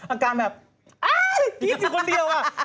อาการแบบอ้าวคิดอยู่คนเดียวอะ